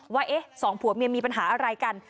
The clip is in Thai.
ว่าสองผัวเมียมีปัญหาอะไรกัน